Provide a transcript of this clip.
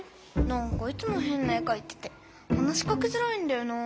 なんかいつもへんな絵かいてて話しかけづらいんだよな。